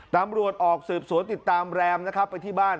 ตำรวจออกสืบสวนติดตามแรมที่บ้าน